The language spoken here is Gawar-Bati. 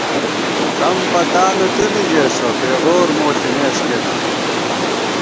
سم پتانہ تُو بی ژېسہ ، پېغور مو ݪِمېس کېنا